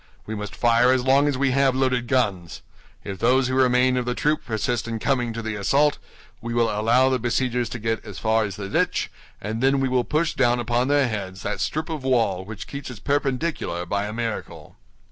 We must fire as long as we have loaded guns. If those who remain of the troop persist in coming to the assault, we will allow the besiegers to get as far as the ditch, and then we will push down upon their heads that strip of wall which keeps its perpendicular by a miracle."